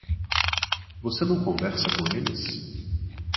Você não conversa com eles?